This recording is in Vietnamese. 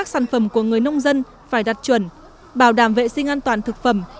chuẩn bảo đảm vệ sinh an toàn thực phẩm